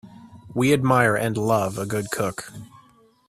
We admire and love a good cook.